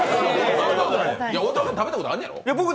太田、食べたことあんねやろ？